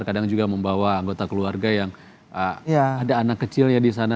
kadang juga membawa anggota keluarga yang ada anak kecilnya di sana